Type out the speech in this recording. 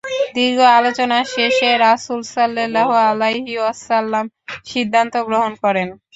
দীর্ঘ আলোচনা শেষে রাসূল সাল্লাল্লাহু আলাইহি ওয়াসাল্লাম সিদ্ধান্ত গ্রহণ করেন।